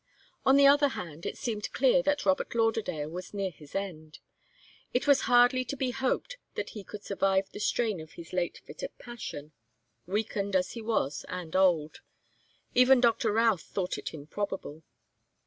On the other hand, it seemed clear that Robert Lauderdale was near his end. It was hardly to be hoped that he could survive the strain of his late fit of passion, weakened as he was and old. Even Doctor Routh thought it improbable.